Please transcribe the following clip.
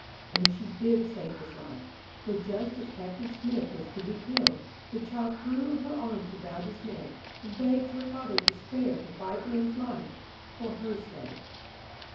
And she did save his life, for just as Captain Smith was to be killed, the child threw her arms about his neck, and begged her father to spare the white man's life, for her sake.